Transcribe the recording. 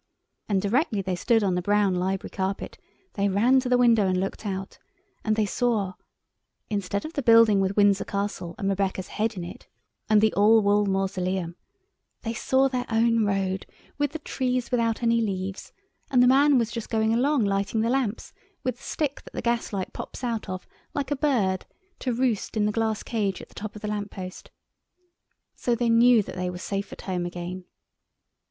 And directly they stood on the brown library carpet they ran to the window and looked out, and they saw—instead of the building with Windsor Castle and Rebecca's head in it, and the All Wool Mausoleum—they saw their own road with the trees without any leaves and the man was just going along lighting the lamps with the stick that the gas light pops out of, like a bird, to roost in the glass cage at the top of the lamp post. So they knew that they were safe at home again.